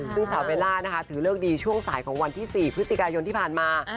ซึ่งสาวเบลล่านะคะถือเลิกดีช่วงสายของวันที่๔พฤศจิกายนที่ผ่านมา